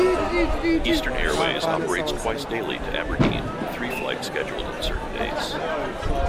Eastern Airways operates twice daily to Aberdeen with three flights scheduled on certain days.